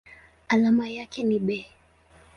Alama yake ni Be.